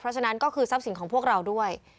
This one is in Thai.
เพราะฉะนั้นก็คือทรัพย์สินของพวกเราด้วย